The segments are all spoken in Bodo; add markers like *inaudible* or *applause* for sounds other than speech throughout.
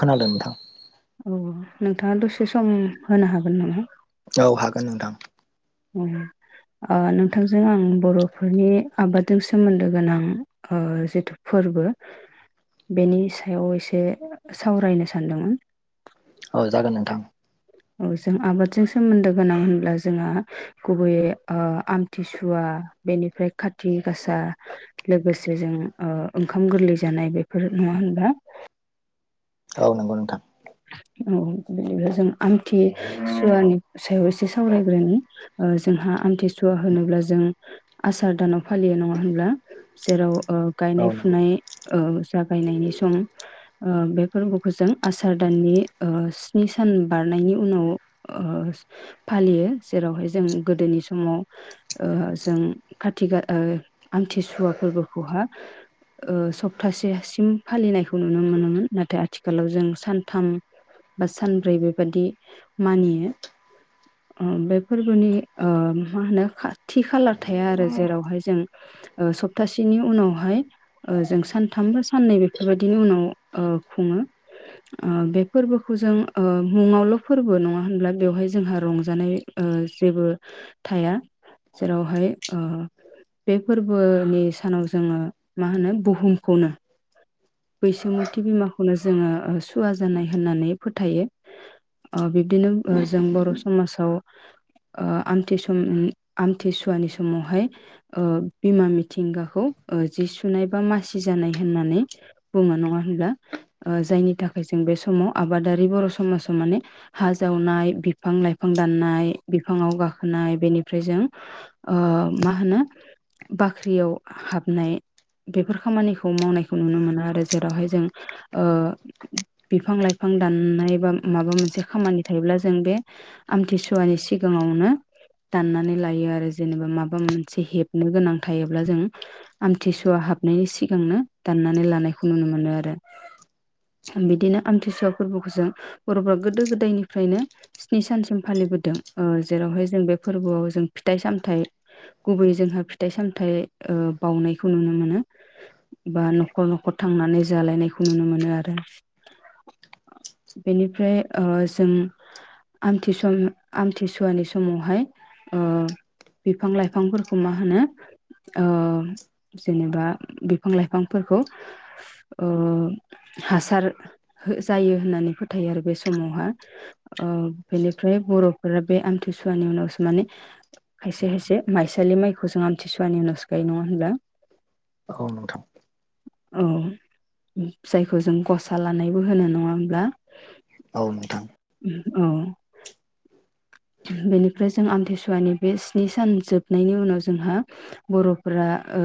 खोनादों नोंथां? औ नोंथाङा दसे सम होनो हागोन नामा? औ हागोन नोंथां। उम ओ नोंथांजों आं बर'फोरनि आबादजों सोमोन्दो गोनां ओ जेथु फोरबो बेनि सायाव एसे सावरायनो सानदोंमोन। औ जागोन नोंथां। औ जों आबादजों सोमोन्दो गोनां होनब्ला जोंहा गुबैयै ओ आमथिसुवा बेनिफ्राय खाथि गासा लोगोसे जों ओ ओंखाम गोरलै जानाय बेफोर नङा होनबा? औ नंगौ नोंथां औ बिदिब्ला जों आमथि सुवानि सायाव एसे सावरायग्रोनि। ओ जोंहा आमथि सु सुवा होनोब्ला जों आसार दानाव फालियो नङा होनब्ला? जेराव ओ औ गायनाय नंगौ फुनाय ओ जागायनायनि सम। ओ बेफोरखौबो जों आसा सार दाननि ओ स्नि सान बारनायनि उनाव ओ फालियो जेरावहाय जों गोदोनि समाव ओ जों काति ओ आमथिसुवा फोरबोखौहाय ओ सप्तासेसिम फालिनायखौ नुनो मोनोमोन नाथाय आथिखालाव जों सानथाम बा सानब्रै बेबादि मानियो ओ बे फोरबोनि ओ मा होनो खा थि खालार थाया आरो जेरावहाय जों सप्तासेनि उनावहाय ओ जों सानथाम बा साननै बेफोरबायदिनि उनाव ओ खुङो। ओ बे फोरबोखौ जों ओ मुङावल' फोरबो नङा होनब्ला बेवहाय जोंहा रंजानाय ओ जेबो थाया जेरावहाय ओ बे फोरबोनि सानाव जोङो मा होनो बुहुमखौनो बैसुमुथि बिमाखौनो जोङो सुवा जानाय होननानै फोथायो ओ बिब्दिनो ओ जों बर' समाजाव ओ आमथि सम आमथि सुवानि समावहाय ओ बिमा मिथिंगाखौ ओ जि सुनाय बा मासि जानाय होननानै बुङो नङा होनब्ला ओ जायनि थाखाय जों बे समाव आबादारि बर' समाजाव माने हा जावनाय बिफां लाइफां दाननाय बिफाङाव गाखोनाय बेनिफ्राय जों ओ मा होनो ओ बाख्रियाव हाबनाय बेफोर खामानिखौ मावनायखौ नुनो मोनो आरो। आरो जेरावहाय जों ओ बिफां लाइफां दाननाय बा माबा मोनसे खामानि थायोब्ला जों बे आमथिसुवानि सिगाङावनो दाननानै लायो आरो जेनेबा माबा मोनसे हेबनो गोनां थायोब्ला जों आमथिसुवा हाबनायनि सिगांनो दाननानै लानाय खौ नुनो मोनो आरो बिदिनो आमथिसुवा फोरबोखौ जों बर'फ्रा गोदो गोदायनिफ्रायनो स्नि सानसिम फालिबोदों ओ जेरावहाय जों बे फोरबोआव जों फिथाइ सामथायाइ गुबैयै जोंहा फिथाइ सामथाइ ओ बावनायखौ नुनो मोनो बा न'खर न'खर थांनानै जालायनायखौ नुनो मोनो आरो बेनिफ्राय जों आमथिस आमथिसुवानि समावहाय ओ बिफां लाइफांफोरखौ मा होनो ओ जेनेबा ओ बिफां लाइफांफोरखौ ओ हासार हो जायो होननानै फोथायो आरो बे समावहा। ओ बेनिफ्राय बर' फोरो बे आमथिसुवानि उनावसो माने खायसे खायसे माइसालि माइखौ जों आमथिसुवानि उनावसो गायो नङा होनब्ला? औ नोंथां। औ जायखौ जों गसा लानायबो होनो नङा होमब्ला? औ नोंथां। औ। बेनिफ्राय जों आमथिसुवानि बे स्नि सान जोबनायनि उनाव जोंहा बर'फोरा ओ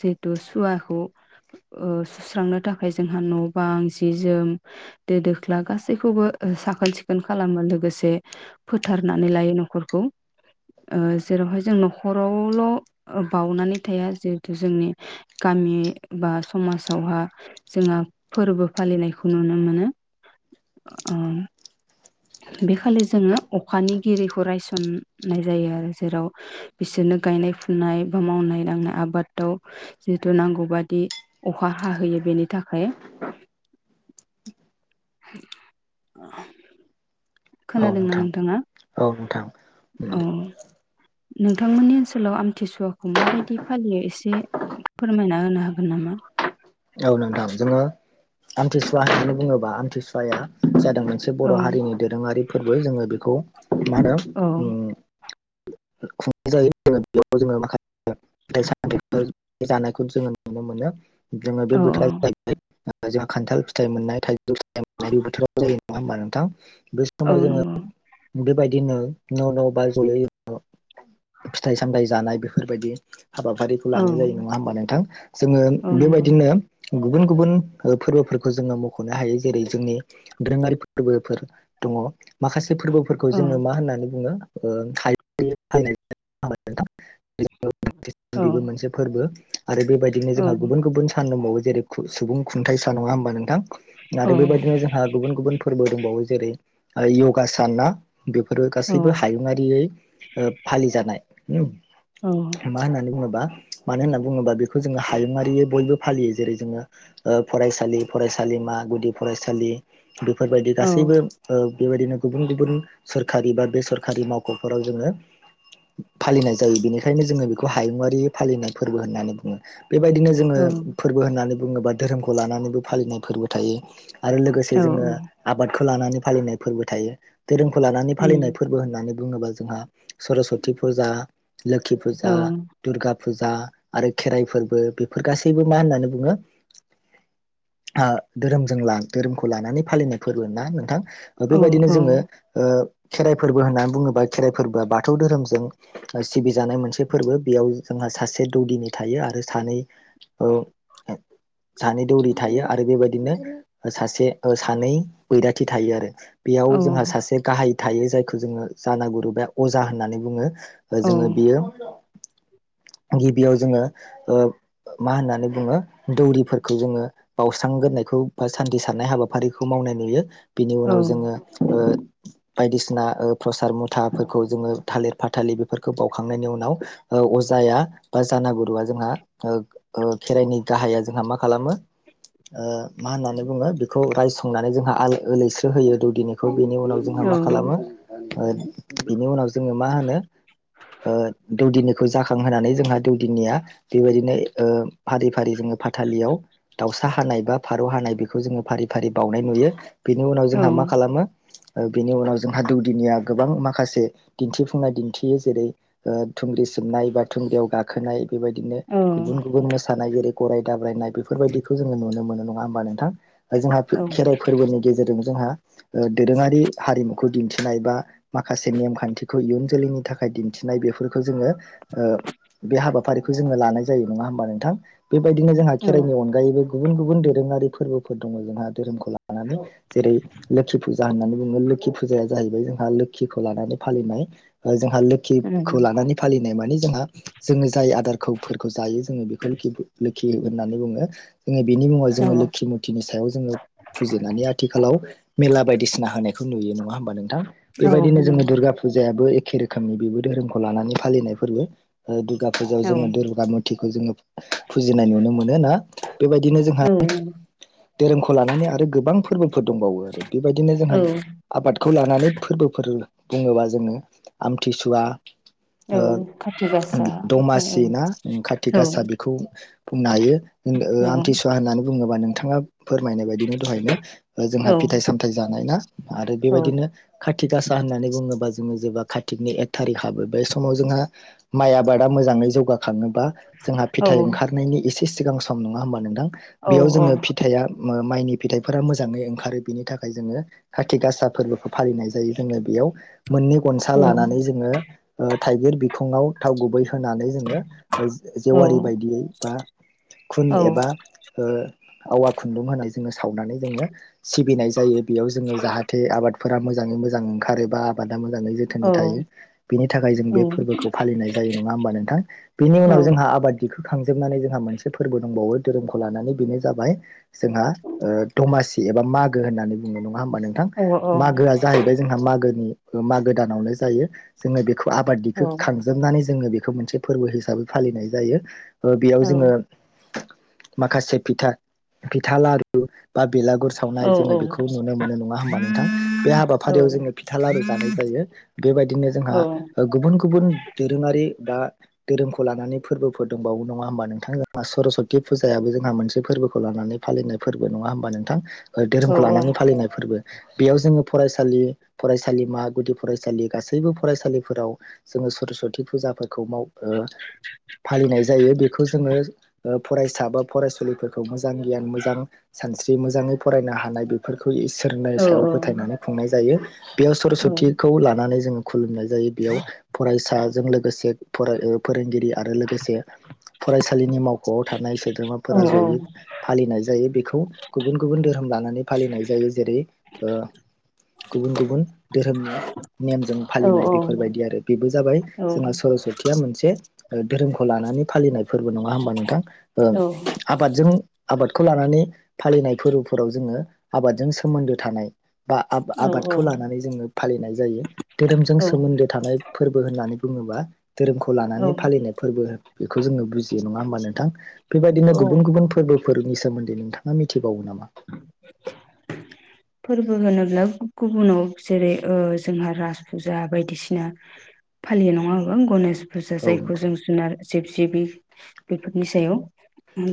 जिहेथु सुवाखौ ओ सुस्रांनो थाखाय जोंहा न' बां जि जोम दो दोख्ला गासैखौबो साखोन सिखोन खालामो लोगोसे फोथ फुथारनानै लायो न'खरखौ ओ जेरावहाय जों न'खरावल' बावनानै थाया जिहेथु जोंनि गामि बा समाजावहा जोंहा फोरबो फालिनायखौ नुनो मोनो ओ बे खालि जोङो अखानिगिरिखौ रायसननाय जायो आरो जेराव बिसोरनो गायनाय फुनाय बा मावनाय दांनाय आबादाव जिहेतु नांगौबादि अखा हाहोयो बेनि थाखाय। औ खोनादोंना नोंथां नोंथाङा? औ नोंथां औ। नोंथांमोननि ओनसोलाव आमथिसुवाखौ माबायदि फालियो एसे फोरमायना होनो हागोन नामा? औ नोंथां जोङो आमथिसुवा होननानै बुङोबा आमथिसुवाया जाय जों मोनसे औ बर' हारिनि दोरोङारि फोरबो जोङो बेखौ मा होनो औ उम। खुंनाय जायो जो बेयाव जोङो माखासे फिथाइ सामथायफोर जानायखौ जोङो नुनो मोनो। जोङो बे औ बोथोर *unintelligible* जोंहा खान्थाल फिथाइ मोननाय औ नंगौ *unintelligible* *unintelligible* *unintelligible* फिथाइ सामथाइ जानाय बेफोरबायदि। हाबाफारिखौ औ लानाय जायो नङा होमबा नोंथां जोङो औ नंगौ बेबायदिनो गुबुन गुबुन फोरबोफोरखौ जोङो मख'नो हायो जेरै जोंनि दोरोङारि फोरबोफोर दङ। माखासे फोरबोफोरखौ औ जोङो मा होननानै बुङो। *unintelligible* *unintelligible* *unintelligible* औ बेबो मोनसे फोरबो। आरो बेबायदिनो औ जोंहा गुबुन गुबुन सान दंबावो। जेरै *unintelligible* सुबुं खुथायसा नङा होमबा नोंथां। औ आरो बेबायदिनो जोंहा गुबुन गुबुन फोरबो। दंबावो जेरै यगा सान ना। बेफोरो औ गासैबो हायुंयारि। ओ फालिजानाय *unintelligible* मा होन्नानै बुंङोबा। मानो होनना बुङोबा बेखौ जोङो हायुङारि बयबो फालियो जेरै जोङो ओ फरायसालि फरायसालिमा गुदि फरायसालि। *unintelligible* औ बेबायदिनो गुबुन गुबुन सोरखारि बा बेसरखारि मावख'फोराव जोङो। फालिनाय जायो बेनिखायनो जोङो बेखौ हायुंआरि फालिनाय फोरबो होननानै बुङो। बेबायदिनो जोङो औ फोरबो होननानै बुङोबा धोरोमखौ लानानैबो फालिनाय फोरबो थायो। आरो लोगोसे जोङो आबाद। खौ लानानै फालिनाय फोरबो थायो। धोरोमखौ लानानै फालिनाय उम फोरबो होननानै। बुङोबा जोंहा। सरसति फुजा। लोखि औ फुजा दुरगा फुजा आरो खेराइ फोरबो बेफोर गासैबो मा होननानै बुङो ओ धोरोमजों ला धोरोमखौ लानानै फालिनाय फोरबो ना नोंथां। औ बेबायदिनो जोङो ओ खेराइ फोरबो होननानै बुङोबा खेराइ फोरबोआ बाथौ धोरोमजों ओ सिबिजानाय मोनसे फोरबो बेयाव जोंहा सासे दौदिनि थायो आरो सानै ओ सानै दौरि थायो आरो बेबायदिनो सासे सानै बैराथि थायो आरो औ बेयाव जोंहा सासे गाहाय थायो जायखौ जोङो जाना गुरुबा अजा होननानै बुङो। औ जोङो बियो गिबियाव जोङो ओ मा होननानै बुङो दौरिफोरखौ जोङो बावस्रां गोरनायखौ बा सान्थि सारनाय हाबाफारिखौ मावनाय नुयो। बिनि औ उनाव जोङो ओ बायदिसिना ओ प्रसाद मुथा फोरखौ जोङो थालिर फाथालि बेफोरखौ बाउखांनायनि उनाव ओ अजाया बा जानागुरुआ जोंहा ओ ओ खेराइनि गाहाया जोंहा मा खालामो ओ मा होननानै बुङो बेखौ रायसंनानै जोंहा आलै-ओलैस्रो होयो दौदिनिखौ। बिनि उनाव जोंहा मा खालामो आरो बिनि उनाव जोङो मा होनो ओ दौदिनिखौ जाखांहोनानै जोंहा दौदिनिया बेबायदिनो ओ फारि फारि जोङो फाथालियाव दाउसा हानाय बा फारौ हानाय बेखौ जोङो फारि फारि बावनाय नुयो। बिनि उनाव औ जोंहा मा खालामो? ओ बेनि उनाव जोंहा दौदिनिया गोबां मा माखासे दिन्थिफुंनाय दिन्थियो जेरै ओ थुंग्रि सिबनाय बा थुंग्रियाव गाखोनाय। बेबायदिनो गुबुन गुबुन मोसानाय जेरै गराय दाब्रायनाय बेफोरबायदिखौ जोङो नुनो मोनो। नङा होमबा नोंथां? जोंहा खेराइ फोरबोनि गेजेरजों जोंहा *inaudible* ओ दोरोङारि हारिमु खौ दिन्थिनाय बा माखासे नेमखान्थिखौ इयुन जोलैनि थाखाय दिन्थिनाय बेफोरखो जोङो ओ बे हाबाफारिखौ जोङो लानाय जायो नङा होमबा नों थां बेबायदिनो जोंहा खेराइनि अनगायैबो गुबुन गुबुन दोरोङारि फोरबोफोर दङ जोंहा धोरोमखौ लानानै जेरै लोखि फुजा होन्नानै बुङो लोखि फुजाया जाहैबाय जोंहा लोक्षिखौ लानानै फालिनाय। जोंहा लोक्षिखौ लानानै फालिनाय माने जोंहा जोङो जाय आदारखौफोरखौ जायो जोङो बे *unintelligible* लोक्षि होननानै बुङो। जोङो बिनि मुङाव जोङो लोक्षि मुरथिनि सायाव जोङो फुजिनानै आथिखालाव मेला बायदिसिना होनाय खौ नुयो नङा होमबा नोंथां? बेबायदिनो जोङो दुर्गा फुजाया एखे रोखोमनि बेबो धोरोमखौ लानानै फालिनाय फोरबो ओ। फुजायाव जोङो दुर्गा मुथिखौ जोङो फुजिनाय नुनो मोनो ना बेबायदिनो जोंहा औ औ धोरोमखौ लानानै आरो गोबां फोरबो फोर दंबावो आरो बेबायदिनो जोंहा औ आबादखौ लानानै फोरबो बुङोबा जोङो आमथिसुवा औ खाथि गासा दमासि ना ओमफ्राय कारित औ गासा बेखौ बुंनो हायो आमथिसुवा होननानै बुं बुङोबा नोंथाङा। फोरमायनाय बायदिनो दहायनो औ जोंहा फिथाइ सामथायाइ जानाय ना आरो औ बेबायदिनो खाथि। काथि गासा होननानैुङोबा जोङो जेबा कातकनि एक थारिक हाबो बे समाव जोंहा माइ आबादा मोजाङै जौगाख खाङोबा जोंहा औ फिथाइ ओंखारनायनि एसे सिगां सम नङा होमबा नोंथां। औ बेयाव औ जोङो फिथाइया माइनि फिथाइफोरा मोजाङै ओंखारो बिनि थाखाय जोङो खाथि गासा फोरबोखौ फालिनाय जायो। जोङो बेयाव मोननै गनसा लानानै जोङो थाइगिर बिखङाव थाव गुबै होनानै जोङो जेवारि बायदियै बा खुन एबा ओ आवा खुन्दुं होनाय जोङो सावनानै जोङो सिबिनाय जायो बेयाव जोङो जाहाथे आबाद फोरा मोजाङै मोजां। मोजां ओंखारो बा आबा दा मोजाङै जोथोनै थायो बिनि थाखाय जों बे फोरबोखौ फालिनाय जायो नङा हबा नोंथां बेनि उनाव जोंहा आबाद। खांजोबनानै जोंहा मोनसे फोरबो दंबावो धोरोमखौ लानानै बेनो जाबाय जोंहा दमासि एबा मागो होननानै बुंनो नङा। नङा होमबा नोंथां मागोआ जाहैबाय मागोनि मागो दानावनो जायो जों। खौ आबादि खांजोबनानै जों। जोङो बेखौ मोनसे फोरबो हिसाबै फालिनाय जायो। बेयाव जोङो। माखासे फिथा फिथा लारु बा बेलागुर सावनाय जोङो बेखौ नुनो मोनो नङा होमबा नोंथां बे हाबा फारियाव जोङो फिथा लारु जानाय जायो बेबायदिनो जोंहा गुबुन गुबुन दोरोङारि बा धोरोमखौ लानानै फोरबोफोर दंबावो नङा होमबा नोंथां जोंहा सरसति फुजायाबो जोंहा मोनसे फोरबोखौ लानानै फालिनाय फोरबो नङा होमबा नोंथां। धोरोमखौ औ औ लानानै फालिनाय फोरबो बेयाव जोङो फरायसा रायसा फरायसालिमा गुदि फरायसालि गासैबो फरायसालिफोराव जोङो सरसवति फुजाफोरखौ माव फालिनाय जायो बेखौ जोङो फरायसा बा फरायसुलिफोरखौ मोजां गियान मोजां सानस्रि मोजाङै फरायनो हानाय बेफोरखौ इसोरनि सायाव फोथायनानै संनाय जायो बेयाव सरसतिखौ लानानै जों खुलुमनाय जायो बेयाव फरायसा जों लोगोसे फराय ओ फोरोंगिरि आरो लोगोसे फरायसालिनि मावख'आव थानाय सोद्रोमाफोरा जयै फालिनाय जायो बेखौ गुबुन गुबुन धोरोम लानानै फालि गुबुन गुबुन धोरोमनि नेमजों फालिनाय बेफोरबायदि आरो बेबो जाबाय जोंहा सरसतिया मोनसे धोरोमखौ लानानै फालिनाय फोरबो नङा होमबा नोंथां ओ आबादजों आबाद खौ लानानै फालिनाय फोरबोफोराव जोङो आबादजों सोमोन्दो थानाय बा आब-आबादखौ लानानै जोङो फालिनाय जायो धोरोमजो बुङोबा धोरोमखौ लानानै औ फालिनाय फोरबो बेखौ जियो नङा होमबा नोंथां बेबायदिनो औ गुबुन गुबुन फोरबो फोरनि सोमोन्दै नोंथाङा मिथि बावो नामा बो होनोब्ला गुबुनाव जेरै ओ जोंहा राच फुजा बायदिसिना फालियो नङाहोन गणश फुजा औ जायखौ नोंथां जों जुनार जिब जिबि बेफोरनि सायाव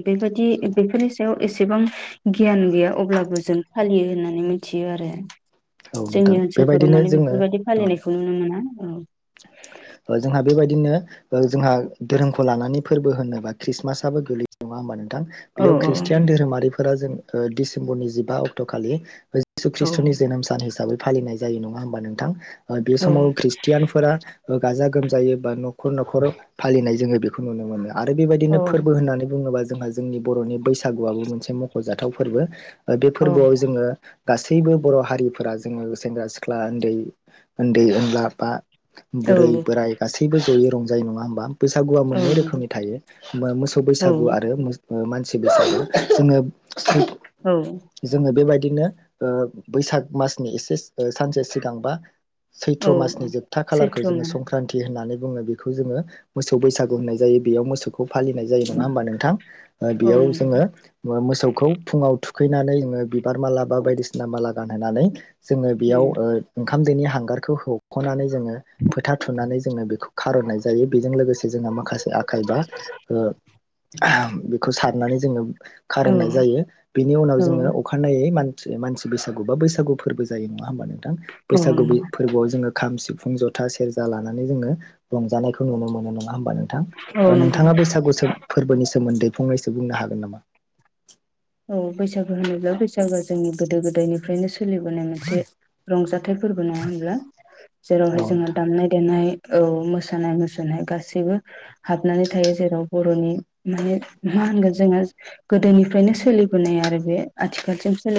बेबायदि औ बेफोरनि सायाव एसेबां गियान गैया अब्लाबो जों फालि जोंनि औ नोंथां ओनसोलफोराव बेबायदिनो माने बेफोरबायदि फालिनायखौ नुनो मोना औ *inaudible* थां बेयाव औ ओ शु औ खृष्टनि जोनोम सानिसाबै फालिनाय जायो नङा होमबा नोंथां ओ बे औ समाव खृस्ट आ गाजा गोमजायै बा न'खर न'खर फालिनाय जोङो बेखौ नुनो मोनो आरो बेबायदिनो औ फोरबो होननानै बुङोबा जोंहा जोंनि बर'नि बैसागुआबो मोनसे मख खजाथाव औ फोरबो गासैबो बर' हारि फोरा‌ जोगो सेंग्रा सिख ख्ला उन्दै उन्दै उनला बा औ बुरै बोराय गासैबो जयै रंजायो जाय नङा होमबा? बैसागुआ मोननै औ रोखोमनि थायो मोसौ औ बैसागु औ आरो मान नंगौ औ *unintelligible* जोङो बेबायदि बिदिनो बैसाग मासनि एसे सानसे सिगांबा औ सैथ्र' मास नि जोबथा खालारखौ जोङो सैथ्रमोन संक्रान्तथि होननानै बुङो बेखौ जोङो मोसौ बैसागु होननाय जायो बेयाव मोसौखौ फालिनाय जायो नङा होमबा नोंथां? औ बेयाव नंगौ जोङो मोसौखौ फुङाव थुखैनानै जोङो बिबार मालाबा बायदिसिना *unintelligible* माला गान होनानै जोङो बेयाव ओ ओं खाम दोनि हांगारखौ ह हख'नानै जोङो फोथा थुनानै जोङो बेखौ खारननाय जायो बेजों लोगोसे जोंहा माखासे आखाइ बा ओ बेखौ सारनानै जोङो औ खारननाय जायो बेनि उनाव औ जोङो अखानायै म मानसि बैसागु बा बैसागु फोरबो जायो नङा होमबानो थां बैसागु नंगौ फोरबोआव जोङो खाम सिफुं जथा सेरजा लानानै जोङो रंजानायखौ नुनो मोनो नङा नङा होमबा नोंथां औ नंगौ नोंथाङा बैसागु फोरबोनि सोमोन्दै फंनैसो बुंनो हागोन नामा? औ बैसागो होनोब्ला बैसागोआ जोंनि गोदो गोदायनिफ्रायनो सोलिबोनाय मोनसे रंजाथाइ फोरबो नङा होनब्ला औ जेरावहाय जोङो नोंथां दामनाय देनाय औ मोसानाय मुसुरानाय गासैबो हाबनानै थायो जेराव बर'नि माने मा होनगोन जोङो गोदोनिफ्रायनो सोलिबोनाय आरो बे आथिखालसिम सो